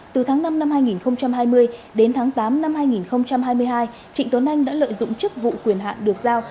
từ tháng năm năm hai nghìn hai mươi đến tháng tám năm hai nghìn hai mươi hai trịnh tuấn anh đã lợi dụng chức vụ quyền hạn được giao